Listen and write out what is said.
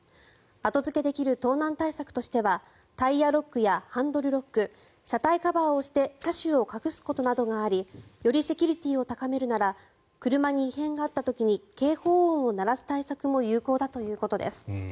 後付けできる盗難対策としてはタイヤロックやハンドルロック車体カバーをして車種を隠すことなどが考えられよりセキュリティーを高めるなら車に異変があった時に警報音を鳴らす対策も有効だということです。